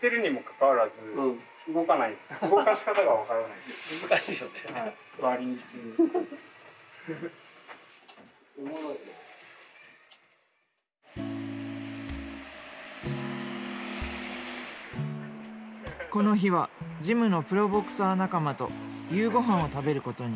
この日はジムのプロボクサー仲間と夕ごはんを食べることに。